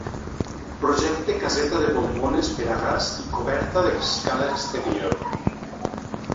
Projecte caseta de bombones per a gas i coberta d'escala exterior.